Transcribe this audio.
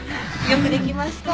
よくできました。